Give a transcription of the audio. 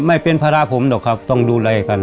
ไม่เป็นภาระผมหรอกครับต้องดูแลกัน